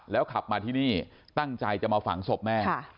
ขับมาที่นี่ตั้งใจจะมาฝังศพแม่